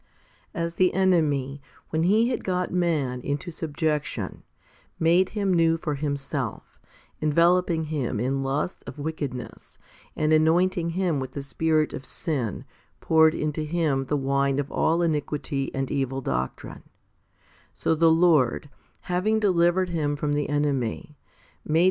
2 ' 2. As the enemy, when he had got man into subjection, made him new for himself, enveloping him in lusts of wickedness, and anointing him with the spirit of sin poured into him the wine of all iniquity and evil doctrine ; so the Lord, having delivered him from the enemy, made him 1 2 Cor.